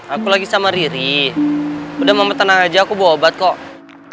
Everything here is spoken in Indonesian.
aku lagi sama riri udah mama tenang aja aku bawa obat kok